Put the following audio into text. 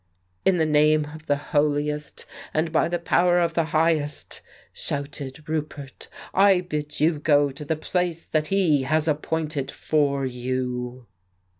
... "In the name of the Holiest, and by the power of the Highest," shouted Roupert, "I bid you go to the place that He has appointed for you."